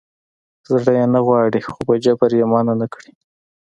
زړه یې نه غواړي خو په جبر یې منع نه کړي.